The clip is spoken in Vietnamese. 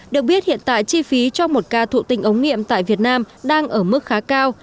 được biết hiện tại chi phí cho một ca thụ tinh ống nghiệm tại việt nam đang ở mức khá cao